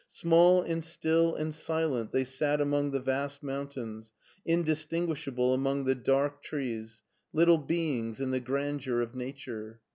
Small and still and silent they sat among the vast mountains, indistinguishable among the dark 158 MARTIN SCHULER trees; little beings in the grandeur of nature.